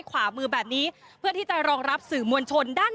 สองฝั่งซ้ายแบบนี้เพื่อที่จะรองรับสื่อมวลชน